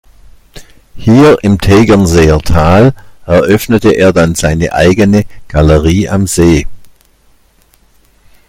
Hier im Tegernseer Tal eröffnete er dann seine eigene „Galerie am See“.